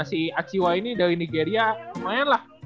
si aciwa ini dari nigeria lumayan lah